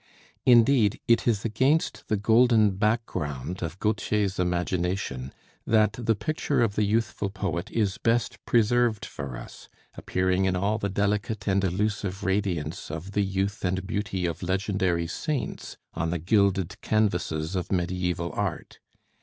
Indeed; it is against the golden background of Gautier's imagination that the picture of the youthful poet is best preserved for us, appearing in all the delicate and illusive radiance of the youth and beauty of legendary saints on the gilded canvases of mediaeval art.